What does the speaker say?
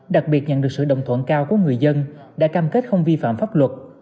đặc biệt nhận được sự đồng thuận cao của người dân đã cam kết không vi phạm pháp luật